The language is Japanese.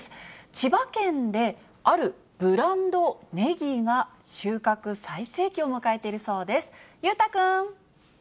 千葉県で、あるブランドねぎが収穫最盛期を迎えているそうです。